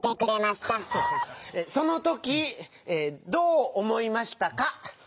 そのときどうおもいましたか？